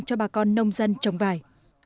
cho bà con nông dân trồng vải